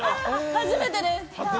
初めてです。